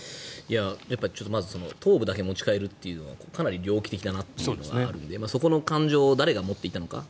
頭部だけ持ち帰るのはかなり猟奇的だなというのがあるのでそこの感情を誰が持っていたのか。